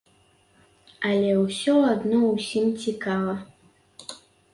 Але ўсё адно ўсім цікава.